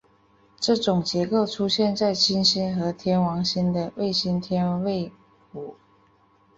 这种结构出现在金星和天王星的卫星天卫五。